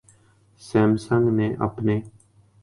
اسام سنگ نے اپنے